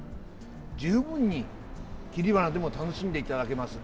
十分に切り花でも楽しんでいただけます。